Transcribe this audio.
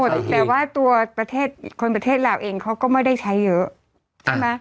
แต่ว่าตัวประเทศคนประเทศลาวเองเขาก็ไม่ได้ใช้เยอะใช่ไหม